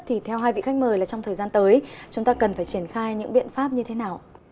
thì theo hai vị khách mời là trong thời gian tới chúng ta cần phải triển khai những biện pháp như thế nào